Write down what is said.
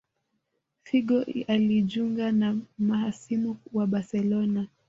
Figo alijunga na mahasimu wa Barcelona